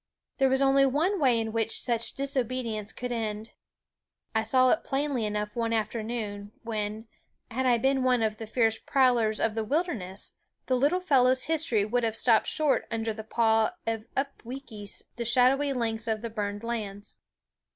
There was only one way in which such disobedience could end. I saw it plainly enough one afternoon, when, had I been one of the fierce prowlers of the wilderness, the little fellow's history would have stopped short under the paw of Upweekis, the shadowy lynx of the burned lands.